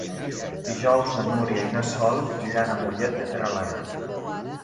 Dijous na Núria i na Sol iran a Mollet de Peralada.